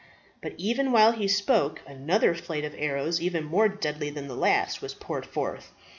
But even while he spoke another flight of arrows, even more deadly than the last, was poured forth.